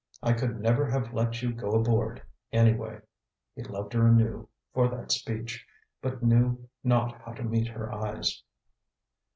"I could never have let you go aboard, anyway!" He loved her anew for that speech, but knew not how to meet her eyes.